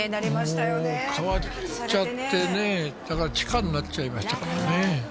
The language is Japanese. もう変わっちゃってねだから地下になっちゃいましたからね